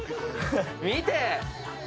見て！